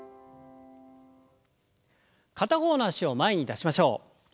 片方の脚を前に出しましょう。